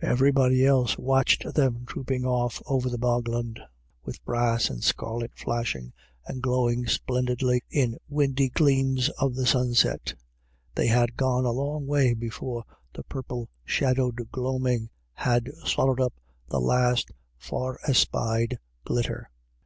Everybody else watched them trooping off over the bogland, with brass and scarlet flashing and glowing splendidly in windy gleams of the sunset They had gone a long way before the purple shadowed gloaming had swallowed up the last far espied glitter.